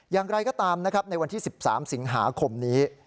อย่างไรก็ตามนะครับในวันที่๑๓สิงหาคมนี้